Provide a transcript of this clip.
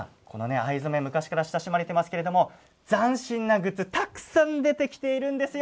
藍染め昔から親しまれていますが斬新なグッズがたくさん出てきているんですよ。